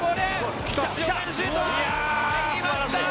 入りました！